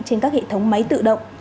trên các hệ thống máy tự động